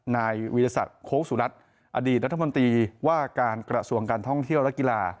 นายวิทยาศักดิ์โค้กสุรัตน์อดีตรัฐมนตรีว่าการกระทรวงการท่องเที่ยวและกีฬา